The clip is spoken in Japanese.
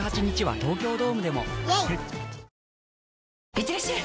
⁉いってらっしゃい！